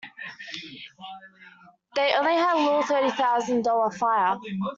They only had a little thirty thousand dollar fire.